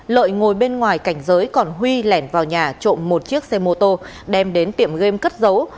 lợi ngồi bên ngoài cảnh giới còn huy lẻn vào nhà trộm một chiếc xe mô tô đem đến tiệm game cất giấu